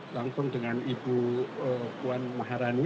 langsung dengan ibu puan maharani